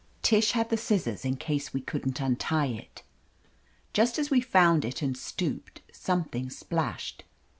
Tish had the scissors, in case we couldn't untie it. Just as we found it and stooped, something splashed.